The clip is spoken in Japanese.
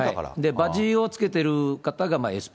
バッジをつけてる方がＳＰ。